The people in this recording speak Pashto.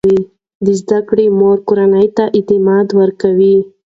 د زده کړې مور کورنۍ ته اعتماد ورکوي.